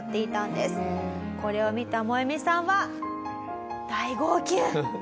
これを見たモエミさんは大号泣。